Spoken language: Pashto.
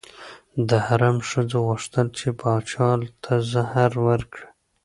د حرم ښځو غوښتل چې پاچا ته زهر ورکړي.